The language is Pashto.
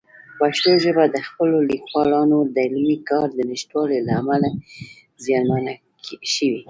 پښتو ژبه د خپلو لیکوالانو د علمي کار د نشتوالي له امله زیانمنه شوې.